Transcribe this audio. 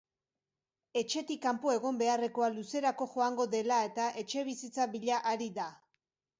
Etxetik kanpo egon beharrekoa luzerako joango dela eta etxebizitza bila ari da.